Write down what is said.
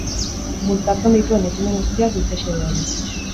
Bultzatzen dituen ekimen guztiak dute xede hori.